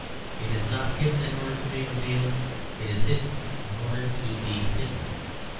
It is not hidden in order to be revealed: it is hidden in order to be hidden.